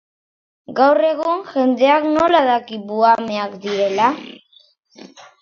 Gaur egun, jendeak nola daki buhameak direla?